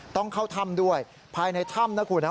ต้องเข้าถ้ำด้วยภายในถ้ำนะคุณนะ